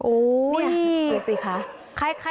โอ้โหนี่ดูสิคะ